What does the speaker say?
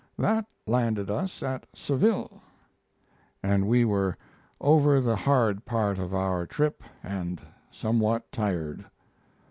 That landed us at Seville, and we were over the hard part of our trip and somewhat tired.